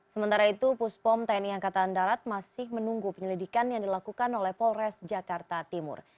sementara itu puspom tni angkatan darat masih menunggu penyelidikan yang dilakukan oleh polres jakarta timur